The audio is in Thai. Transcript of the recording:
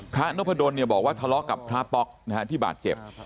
พระนพดลเนี่ยบอกว่าทะเลาะกับพระป๊อกนะฮะที่บาดเจ็บ